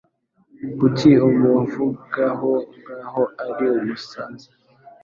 Kuki umuvugaho nkaho ari umusaza?